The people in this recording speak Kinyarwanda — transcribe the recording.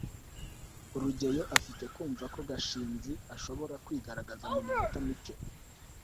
rugeyo afite kumva ko gashinzi ashobora kwigaragaza muminota mike